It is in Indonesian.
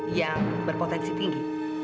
yang berpotensi tinggi